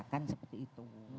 bukan seperti itu